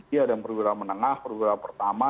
iya ada yang perwira menengah perwira pertama